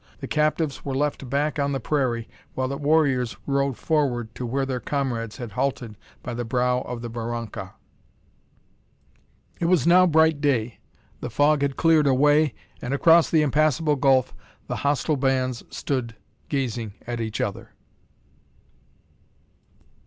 The captives were left back on the prairie, while the warriors rode forward to where their comrades had halted by the brow of the barranca. It was now bright day; the fog had cleared away, and across the impassable gulf the hostile bands stood gazing at each other!